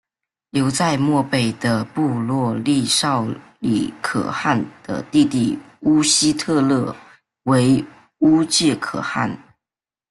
留在漠北的部落立昭礼可汗的弟弟乌希特勒为乌介可汗。